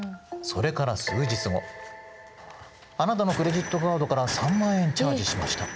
それから数日後『あなたのクレジットカードから３万円チャージしました』